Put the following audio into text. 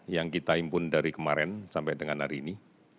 yang kita impun dari kemarin sampai dengan hari ini